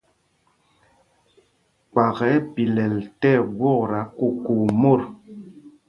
Kpak ɛ́ ɛ́ pilɛl tí ɛgwokta kukuu mot.